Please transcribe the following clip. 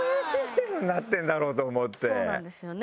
そうなんですよね。